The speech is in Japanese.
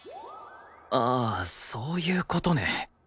ああそういう事ね